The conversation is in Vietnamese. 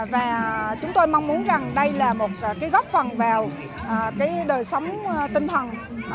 và chúng tôi mong muốn rằng đây là một cái góp phần vào cái đời sống tinh thần